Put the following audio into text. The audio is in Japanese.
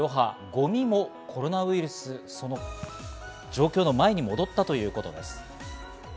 ゴミもコロナウイルス、その状況の前に戻ったということです。